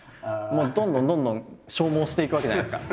もうどんどんどんどん消耗していくわけじゃないですか。